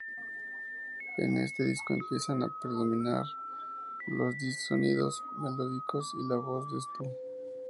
En este disco empiezan a predominar los sonidos melódicos y la voz de Stu.